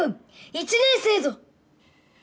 １年生ぞ！